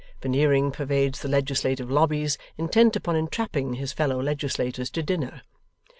Veneering pervades the legislative lobbies, intent upon entrapping his fellow legislators to dinner.